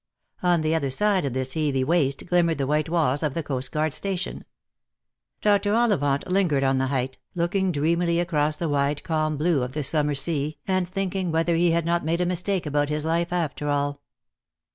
On the other side of this heathy waste glimmered the white walls of the coastguard station. Dr. Ollivant lingered on the height, looking dreamily across the wide calm blue of the summer sea, and thinking whether he had not made a mistake about his life, after all.